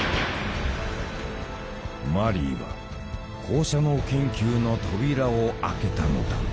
マリーは放射能研究の扉を開けたのだ。